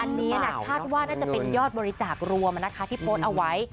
อันนี้คาดว่าน่าจะเป็นยอดบริจาครวมที่โพสต์เอาไว้